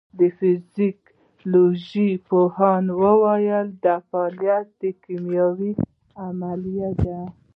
د فزیولوژۍ پوهان وایی دا فعالیت کیمیاوي عملیه ده